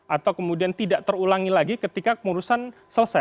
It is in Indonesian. atau kemudian tidak terulangi lagi ketika kemurusan selesai